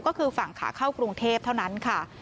ก็คือฝั่งขาเข้ากรุงเทพเท่านั้นค่ะ